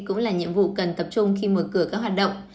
cũng là nhiệm vụ cần tập trung khi mở cửa các hoạt động